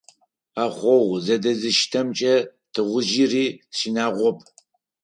Ӏэхъогъу зэдэзыштэмкӏэ тыгъужъыри щынагъоп.